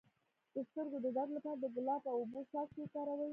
د سترګو د درد لپاره د ګلاب او اوبو څاڅکي وکاروئ